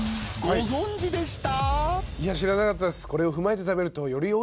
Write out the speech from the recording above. ご存じでした？］